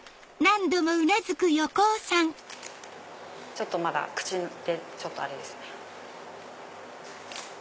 ちょっとまだ口であれですね。